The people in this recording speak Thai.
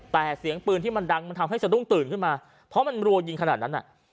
แต่เสียงปืนที่มันดังมันทำให้สะดุ้งตื่นขึ้นมาเพราะมันรัวยิงขนาดนั้น